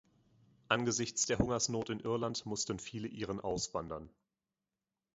Angesichts der Hungersnot in Irland mussten viele Iren auswandern.